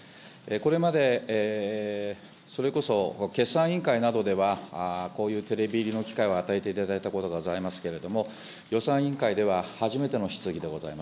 これまで、それこそ、決算委員会などではこういうテレビ入りの機会を与えていただいたことがございますけれども、予算委員会では初めての質疑でござい